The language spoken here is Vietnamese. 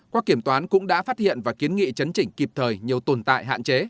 qua kiểm toán cũng đã phát hiện và kiến nghị chấn chỉnh kịp thời nhiều tồn tại hạn chế